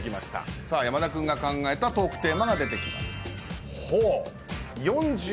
さあ山田君が考えたトークテーマが出てきます。